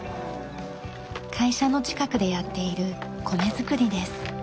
会社の近くでやっている米作りです。